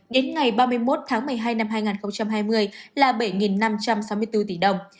đến ngày ba mươi một tháng một mươi hai năm hai nghìn hai mươi là bảy năm trăm sáu mươi bốn tỷ đồng